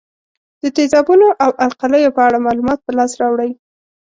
د تیزابونو او القلیو په اړه معلومات په لاس راوړئ.